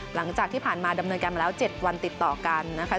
หลังจากที่ผ่านมาดำเนินการมาแล้ว๗วันติดต่อกันนะคะ